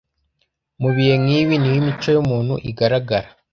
Mubihe nkibi niho imico yumuntu igaragara